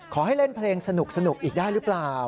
ขอให้เล่นเพลงสนุกอีกได้หรือเปล่า